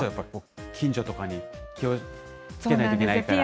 近所とかに気をつけないといけないから。